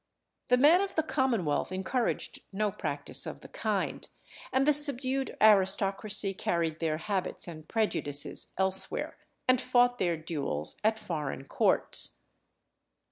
The men of the Commonwealth encouraged no practice of the kind, and the subdued aristocracy carried their habits and prejudices elsewhere, and fought their duels at foreign courts.